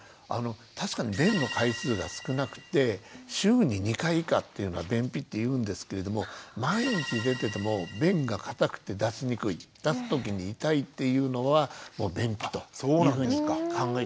確かに便の回数が少なくて週に２回以下っていうのは便秘っていうんですけれども毎日出てても便が硬くて出しにくい出す時に痛いっていうのはもう便秘というふうに考えた方がいいと思います。